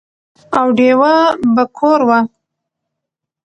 او ډېوه به کور وه،